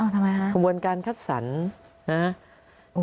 ทำไมคะความวนการคัดสรรค์นะ